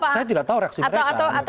saya tidak tahu reaksi mereka